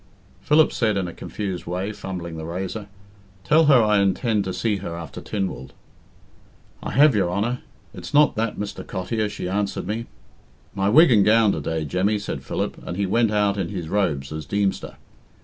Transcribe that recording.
Philip said in a confused way, fumbling the razor. "Tell her I intend to see her after Tynwald." "I have, your Honour. 'It's not that, Mr. Cottier,' she answered me." "My wig and gown to day, Jemmy," said Philip, and he went out in his robes as Deemster.